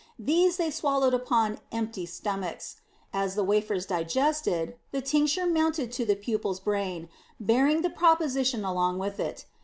These they swallowed upon empty stomachs. As the wafers digested, the tincture mounted to the pupil's brain, bearing the proposition along with it.